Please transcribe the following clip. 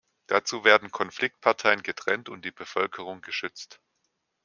Dazu werden Konfliktparteien getrennt und die Bevölkerung geschützt.